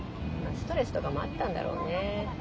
ストレスとかもあったんだろうね。